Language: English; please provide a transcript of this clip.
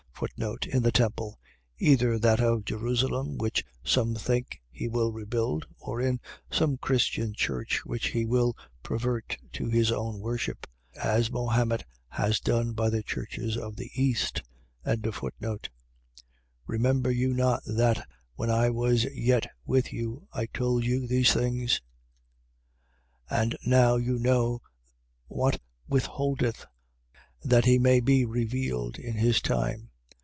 In the temple. . .Either that of Jerusalem which some think he will rebuild; or in some Christian church, which he will pervert to his own worship: as Mahomet has done by the churches of the east. 2:5. Remember you not that, when I was yet with you, I told you these things? 2:6. And now you know what withholdeth, that he may be revealed in his time.